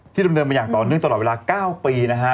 ดำเนินมาอย่างต่อเนื่องตลอดเวลา๙ปีนะฮะ